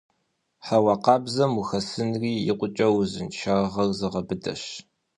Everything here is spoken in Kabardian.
Хьэуа къабзэм ухэсынри икъукӀэ узыншагъэр зыгъэбыдэщ.